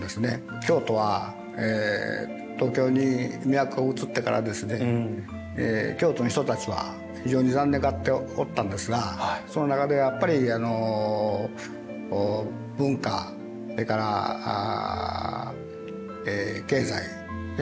京都は東京に都がうつってから京都の人たちは非常に残念がっておったんですがその中でやっぱり文化それから経済それから政治ですね。